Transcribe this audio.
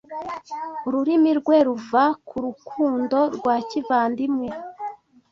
ururimi rwe ruva ku Rukundo rwakivandimwe